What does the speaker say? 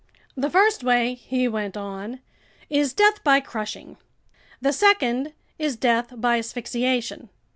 "The first way," he went on, "is death by crushing. The second is death by asphyxiation.